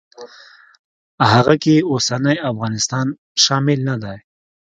هغه کې اوسنی افغانستان شامل نه دی.